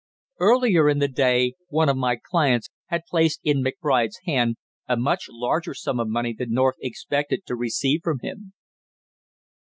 "Earlier in the day one of my clients had placed in McBride's hand a much larger sum of money than North expected to receive from him."